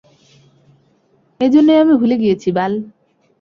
এজন্যই আমি ভুলে গিয়েছি বাল।